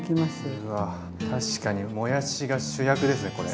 うわ確かにもやしが主役ですねこれ。